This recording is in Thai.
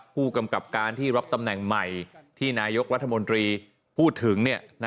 ผู้กำกับการที่รับตำแหน่งใหม่ที่นายกรัฐมนตรีพูดถึง